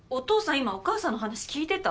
今お母さんの話聞いてた？